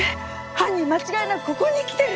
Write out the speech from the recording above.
犯人間違いなくここに来てる！